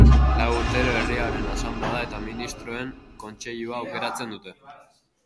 Lau urtero Herriaren Asanblada eta Ministroen Kontseilua aukeratzen dute.